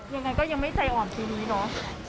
ยังไงก็ยังไม่ใจอ่อนปีนี้เนอะ